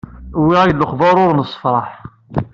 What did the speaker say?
Wwiɣ-ak-d lexbar ur nessefraḥ.